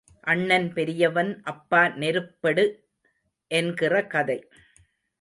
அண்ணன் பெரியவன் அப்பா நெருப்பெடு என்கிற கதை.